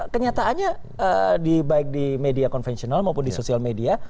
kenyataannya baik di media konvensional maupun di sosial media